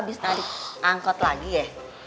bapak udah gak mau nganggut lagi ya